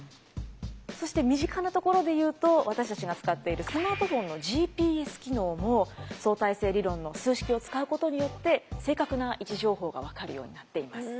そして身近なところで言うと私たちが使っているスマートフォンのＧＰＳ機能も相対性理論の数式を使うことによって正確な位置情報が分かるようになっています。